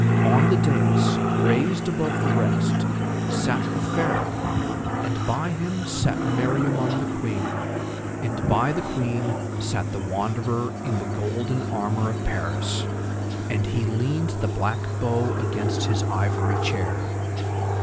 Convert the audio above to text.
On the daïs, raised above the rest, sat the Pharaoh, and by him sat Meriamun the Queen, and by the Queen sat the Wanderer in the golden armour of Paris, and he leaned the black bow against his ivory chair.